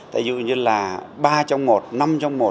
tại ví dụ như là ba trong một năm trong một